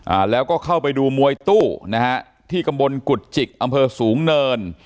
อ่าแล้วก็เข้าไปดูมวยตู้นะฮะที่ตำบลกุฎจิกอำเภอสูงเนิน